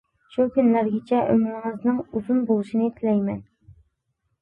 شۇ كۈنلەرگىچە ئۆمرىڭىزنىڭ ئۇزۇن بولۇشنى تىلەيمەن.